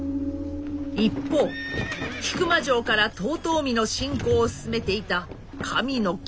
一方引間城から遠江の侵攻を進めていた神の君は。